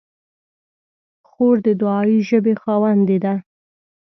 خور د دعایي ژبې خاوندې ده.